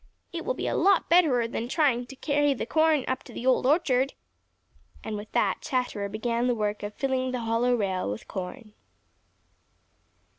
It will be a lot better than trying to carry the corn up to the Old Orchard." And with that, Chatterer began the work of filling the hollow rail with corn.